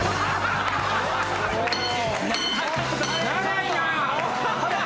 長いな。